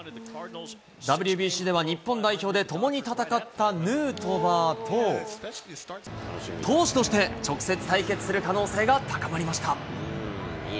ＷＢＣでは日本代表で共に戦ったヌートバーと、投手として直接対決する可能性が高まりました。